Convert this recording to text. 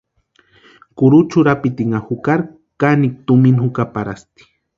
Kurucha urapitinha jukari kanikwa tumina jukaparhasti.